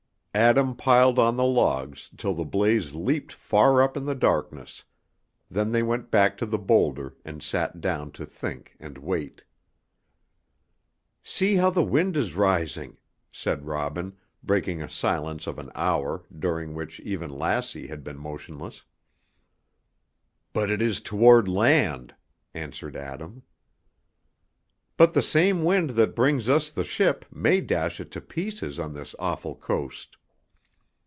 Adam piled on the logs till the blaze leaped far up in the darkness; then they went back to the boulder and sat down to think and wait. "See how the wind is rising," said Robin, breaking a silence of an hour, during which even Lassie had been motionless. "But it is toward land," answered Adam. "But the same wind that brings us the ship may dash it to pieces on this awful coast."